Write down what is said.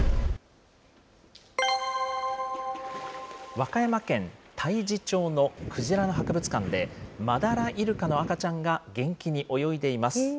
和歌山県太地町のくじらの博物館で、マダライルカの赤ちゃんが元気に泳いでいます。